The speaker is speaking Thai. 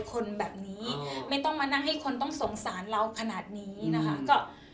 คนแบบนี้ไม่ต้องมานั่งให้คนต้องสงสารเราขนาดนี้นะคะก็